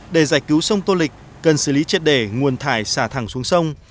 để giải cứu sông tô lịch cần xử lý triệt đề nguồn thải xả thẳng xuống sông